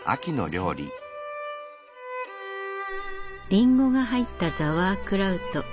リンゴが入ったザワークラウト。